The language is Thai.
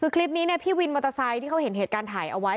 คือคลิปนี้เนี่ยพี่วินมอเตอร์ไซค์ที่เขาเห็นเหตุการณ์ถ่ายเอาไว้